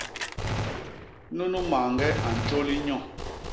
Nunu mañge a ntjôli nyo.